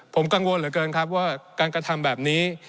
ผมกังวลเหลือเกินครับว่าการกระทำแบบนี้